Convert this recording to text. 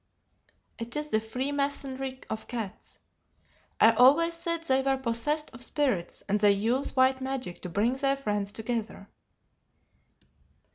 It is the freemasonry of cats. I always said they were possessed of spirits, and they use white magic to bring their friends together."